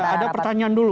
ada pertanyaan dulu